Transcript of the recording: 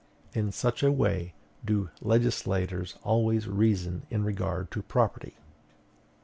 In such a way do legislators always reason in regard to property.